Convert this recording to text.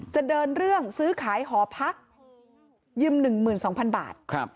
จะเดินเรื่องซื้อขายหอพักยืม๑๒๐๐๐บาท